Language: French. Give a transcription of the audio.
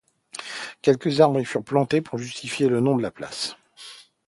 Quelques arbres y furent plantés pour justifier le nom de la place.